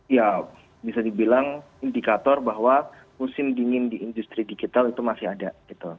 ya bisa dibilang indikator bahwa musim dingin di industri digital itu masih ada gitu